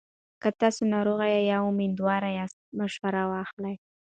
که تاسو ناروغ یا میندوار یاست، مشوره واخلئ.